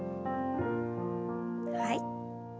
はい。